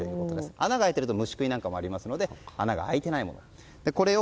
穴が開いていると虫食いなんかがありますので穴が開いていないものを。